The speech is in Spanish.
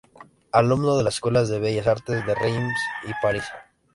Alumno de las escuelas de Bellas Artes de Reims y París.